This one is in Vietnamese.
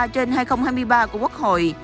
trên hai nghìn hai mươi ba của quốc hội